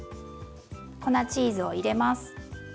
粉チーズを入れます。